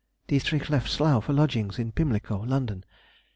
_—Dietrich left Slough for lodgings in Pimlico, London.